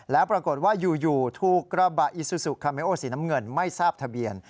แล้วปรากฏว่าอยู่ถูกกระบะอิซูซูคาเมโอสีน้ำเงินไม่ทราบทะเบียน